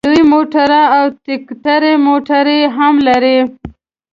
لوی موټر او ټیکټر موټر یې هم لرل.